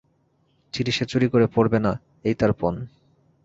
চিঠি সে চুরি করে পড়বে না এই তার পণ।